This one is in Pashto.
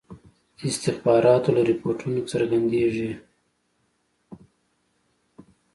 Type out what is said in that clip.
استخباراتو له رپوټونو څرګندیږي.